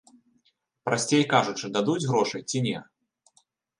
Прасцей кажучы, дадуць грошай ці не?